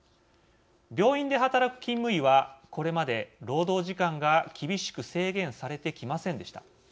病院で働く勤務医は、これまで労働時間が厳しく制限されてきませんでした。